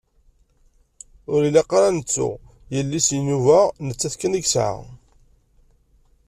Ur ilaq ad nettu yelli-s n inuba, d nettat kan i yesɛa.